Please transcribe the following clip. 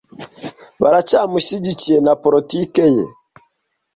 Baracyamushyigikiye na politiki ye.